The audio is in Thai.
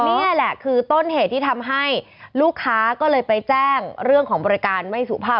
นี่แหละคือต้นเหตุที่ทำให้ลูกค้าก็เลยไปแจ้งเรื่องของบริการไม่สุภาพ